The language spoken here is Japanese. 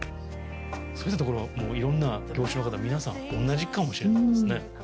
そういったところはいろんな業種の方皆さん同じかもしれないですね。